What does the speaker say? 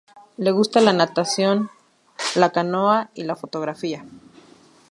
Le gusta la natación, la canoa y la fotografía.